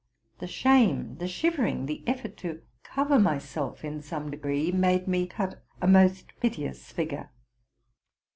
The shame, the shivering, the effort to cover myself in some degree, made me cut a most piteous figure.